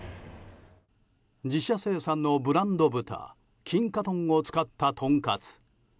自社生産のブランド豚金華豚を使ったトンカツ。